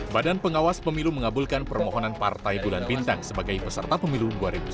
badan pengawas pemilu mengabulkan permohonan partai bulan bintang sebagai peserta pemilu dua ribu sembilan belas